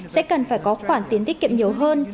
sẽ cần phải có khoản tiền tiết kiệm nhiều hơn